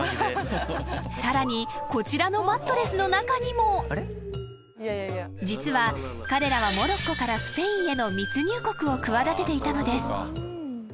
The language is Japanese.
［さらにこちらのマットレスの中にも］［実は彼らはモロッコからスペインへの密入国を企てていたのです］